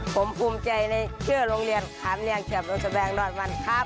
ผมภูมิใจในชื่อโรงเรียนขามเรียงเฉียบโรงแสบงนอนมันครับ